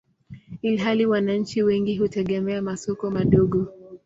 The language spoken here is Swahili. ilhali wananchi wengi hutegemea masoko madogo.